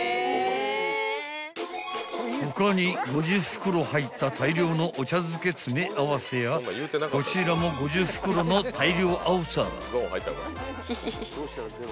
袋入った大量のお茶漬け詰め合わせやこちらも５０袋の大量あおさ］